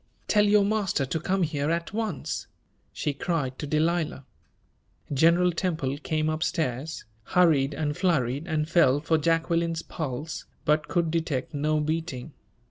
"Tell your master to come here at once!" she cried to Delilah. General Temple came up stairs, hurried and flurried, and felt for Jacqueline's pulse, but could detect no beating.